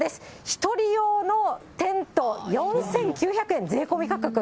一人用のテント４９００円、税込み価格。